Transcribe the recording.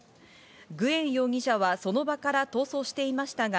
グエン容疑者はその場から逃走していましたが、